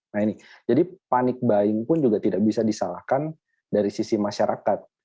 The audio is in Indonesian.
nah ini jadi panic buying pun juga tidak bisa disalahkan dari sisi masyarakat